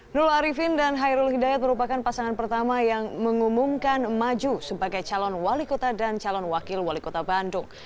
nurul arifin dan hairul hidayat merupakan pasangan pertama yang mengumumkan maju sebagai calon wali kota dan calon wakil wali kota bandung